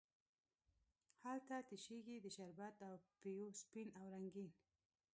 هلته تشیږې د شربت او پېو سپین او رنګین،